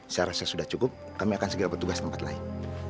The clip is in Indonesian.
saya rasa sudah cukup kami akan segera bertugas tempat lain